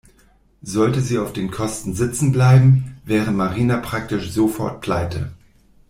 Sollte sie auf den Kosten sitzen bleiben, wäre Marina praktisch sofort pleite.